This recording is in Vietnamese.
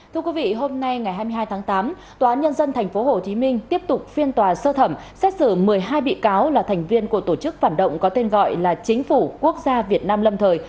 thưa quý vị hôm nay ngày hai mươi hai tháng tám tòa án nhân dân tp hcm tiếp tục phiên tòa sơ thẩm xét xử một mươi hai bị cáo là thành viên của tổ chức phản động có tên gọi là chính phủ quốc gia việt nam lâm thời